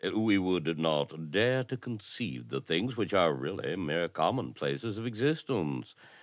We would not dare to conceive the things which are really mere commonplaces of existence.